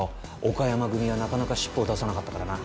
「岡山組はなかなかしっぽを出さなかったからな」